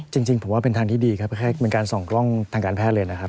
จริงผมว่าเป็นทางที่ดีครับแค่เป็นการส่องกล้องทางการแพทย์เลยนะครับ